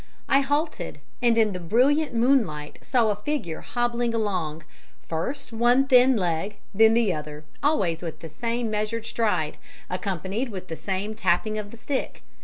I halted, and in the brilliant moonlight saw a figure hobbling along first one thin leg, then the other, always with the same measured stride accompanied with the same tapping of the stick.